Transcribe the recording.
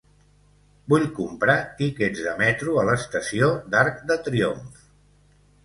Vull comprar tiquets de metro a l'estació d'Arc de Triomf.